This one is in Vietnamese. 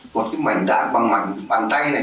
một cái mảnh đạn bằng mảnh bàn tay này